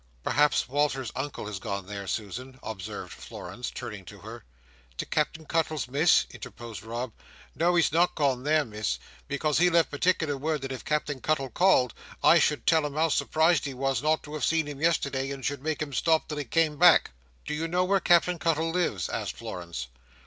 "Perhaps Walter's Uncle has gone there, Susan," observed Florence, turning to her. "To Captain Cuttle's, Miss?" interposed Rob; "no, he's not gone there, Miss. Because he left particular word that if Captain Cuttle called, I should tell him how surprised he was, not to have seen him yesterday, and should make him stop till he came back." "Do you know where Captain Cuttle lives?" asked Florence.